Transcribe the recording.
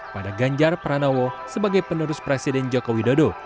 pada ganjar pranowo sebagai penerus presiden joko widodo